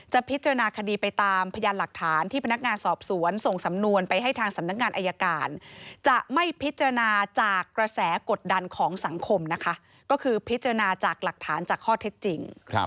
พิจารณาคดีไปตามพยานหลักฐานที่พนักงานสอบสวนส่งสำนวนไปให้ทางสำนักงานอายการจะไม่พิจารณาจากกระแสกดดันของสังคมนะคะก็คือพิจารณาจากหลักฐานจากข้อเท็จจริง